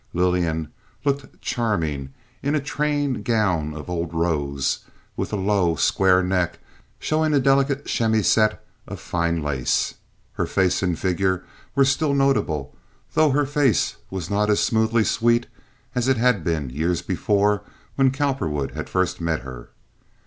Lillian looked charming in a train gown of old rose, with a low, square neck showing a delicate chemisette of fine lace. Her face and figure were still notable, though her face was not as smoothly sweet as it had been years before when Cowperwood had first met her.